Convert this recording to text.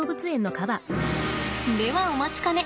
ではお待ちかね。